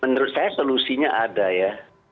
menurut saya solusinya ada ya